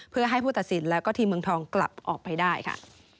เพื่อให้ผู้ตัดสินแล้วก็ทีมเมืองทองกลับออกไปได้ค่ะ